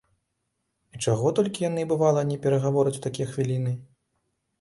І чаго толькі яны, бывала, не перагавораць у такія хвіліны!